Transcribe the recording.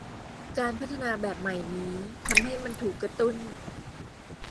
การพัฒนาแบบใหม่นี้ทำให้มันถูกกระตุ้น